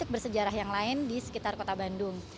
bersejarah yang lain di sekitar kota bandung